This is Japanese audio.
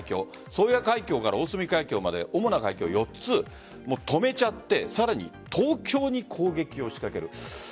宗谷海峡から大隅海峡まで主な海峡を４つ止めちゃってさらに東京に攻撃を仕掛ける。